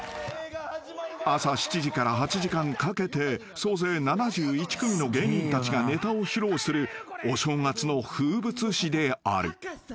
［朝７時から８時間かけて総勢７１組の芸人たちがネタを披露するお正月の風物詩である］